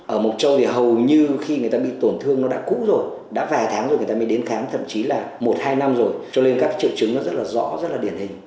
ở mộc châu thì hầu như khi người ta bị tổn thương nó đã cũ rồi đã vài tháng rồi người ta mới đến khám thậm chí là một hai năm rồi cho nên các triệu chứng nó rất là rõ rất là điển hình